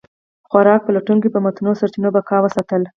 خوراک پلټونکو په متنوع سرچینو بقا وساتله.